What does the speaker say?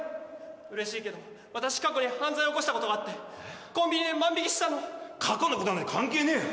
嬉しいけど私過去に犯罪を犯したことがあってコンビニで万引きしたの過去のことなんて関係ねえよ